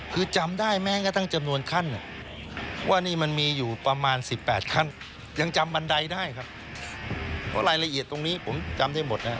เพราะรายละเอียดตรงนี้ผมจำได้หมดนะครับ